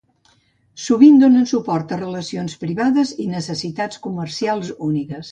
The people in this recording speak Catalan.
Sovint donen suport a relacions privades i necessitats comercials úniques.